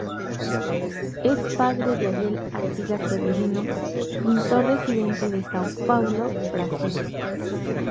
Es padre de Ariel Artigas Severino, pintor residente en São Paulo, Brasil.